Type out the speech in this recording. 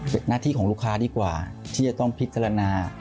เป็นหน้าที่ของลูกค้าดีกว่าที่จะต้องพิจารณา